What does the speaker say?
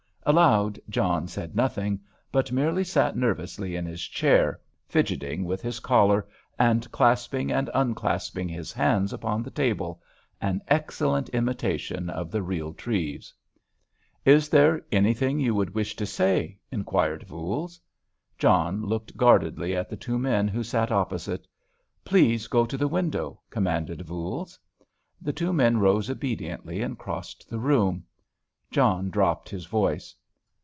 Aloud John said nothing, but merely sat nervously in his chair, fidgeting with his collar, and clasping and unclasping his hands upon the table—an excellent imitation of the real Treves. "Is there anything you would wish to say?" inquired Voules. John looked guardedly at the two men who sat opposite. "Please go to the window," commanded Voules. The two men rose obediently and crossed the room. John dropped his voice.